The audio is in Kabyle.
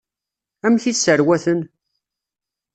Amek i sserwaten?